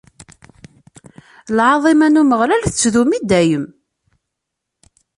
Lɛaḍima n Umeɣlal tettdumu i dayem.